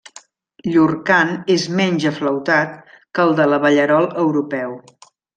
Llur cant és menys aflautat que el de l'abellerol europeu.